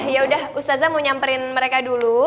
yaudah ustazah mau nyamperin mereka dulu